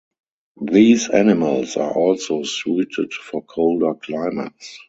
These animals are also suited for colder climates.